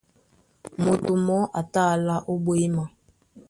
Moto mɔɔ́ a tá á alá ó ɓwěma.